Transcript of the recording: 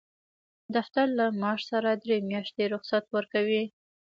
دفتر له معاش سره درې میاشتې رخصت ورکوي.